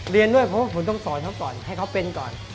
เรียนด้วยเพราะหุ่นต้องสอนให้เขาเป็นก่อน